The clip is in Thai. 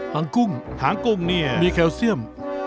งกุ้งหางกุ้งเนี่ยมีแคลเซียม